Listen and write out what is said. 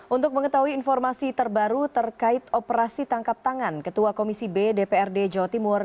untuk mengetahui informasi terbaru terkait operasi tangkap tangan ketua komisi b dprd jawa timur